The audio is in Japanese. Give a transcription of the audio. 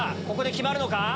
ここで決まるのか？